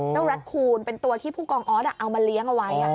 แร็คคูณเป็นตัวที่ผู้กองออสเอามาเลี้ยงเอาไว้